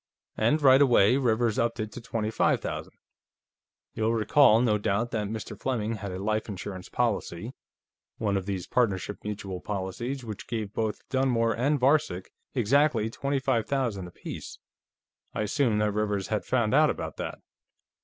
And, right away, Rivers upped it to twenty five thousand. You'll recall, no doubt, that Mr. Fleming had a life insurance policy, one of these partnership mutual policies, which gave both Dunmore and Varcek exactly twenty five thousand apiece. I assume that Rivers had found out about that.